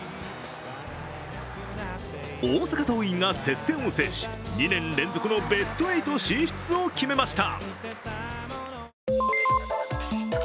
大阪桐蔭が接戦を制し、２年連続のベスト８進出を決めました。